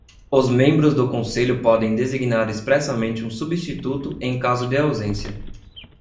Os membros do Conselho podem designar expressamente um substituto em caso de ausência.